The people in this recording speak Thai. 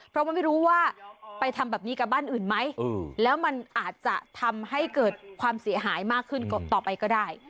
เพราะว่าไม่รู้ว่าไปทำแบบนี้กับบ้านอื่นไหมแล้วมันอาจจะทำให้เกิดความเสียหายมากขึ้นต่อไปก็ได้